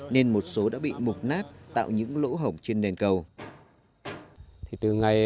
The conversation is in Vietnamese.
nên một số đã bị mục nát tạo những lỗ hổng trên nền cầu